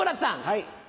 はい。